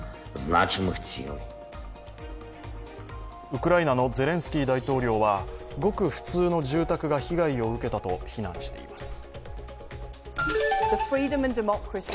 ウクライナのゼレンスキー大統領はごく普通の住宅が被害を受けたと非難しています。